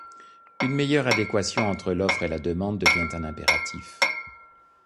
Une meilleure adéquation entre l’offre et la demande devient un impératif.